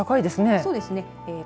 そうですね。